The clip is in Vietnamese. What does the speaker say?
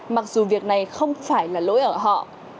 mặc dù việc này không phải là lỗi ở họ